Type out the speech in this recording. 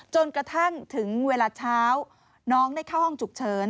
จนกระทั่งถึงเวลาเช้าน้องได้เข้าห้องฉุกเฉิน